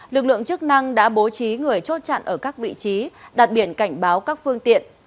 lực lượng chức năng đã bố trí người chốt chặn ở các vị trí đặt biển cảnh báo các phương tiện